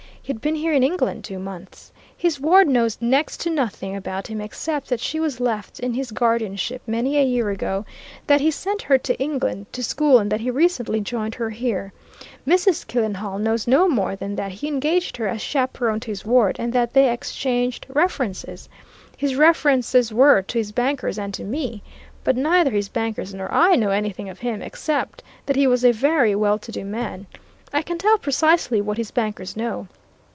He had been here in England two months. His ward knows next to nothing about him, except that she was left in his guardianship many a year ago, that he sent her to England, to school, and that he recently joined her here. Mrs. Killenhall knows no more than that he engaged her as chaperon to his ward, and that they exchanged references. His references were to his bankers and to me. But neither his bankers nor I know anything of him, except that he was a very well to do man. I can tell precisely what his bankers know.